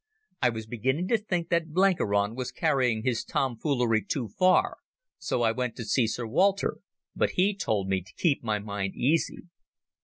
I was beginning to think that Blenkiron was carrying his tomfoolery too far, so I went to see Sir Walter, but he told me to keep my mind easy.